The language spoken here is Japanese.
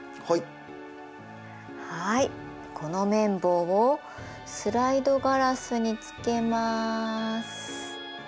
はいこの綿棒をスライドガラスにつけます。